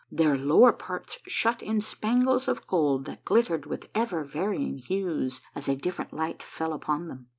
Their low^er parts shut in spangles of gold that glittered with ever varying hues as a different light fell upon them.